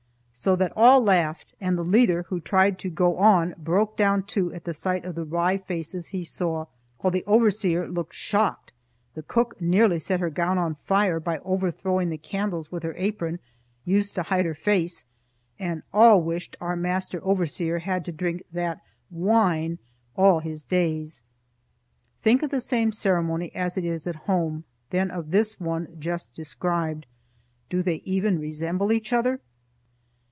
so that all laughed, and the leader, who tried to go on, broke down too at the sight of the wry faces he saw; while the overseer looked shocked, the cook nearly set her gown on fire by overthrowing the candles with her apron (used to hide her face) and all wished our Master Overseer had to drink that "wine" all his days. Think of the same ceremony as it is at home, then of this one just described. Do they even resemble each other?